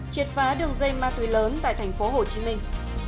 chiệt phá đường dây ma tùy lớn tại thành phố hồ chí minh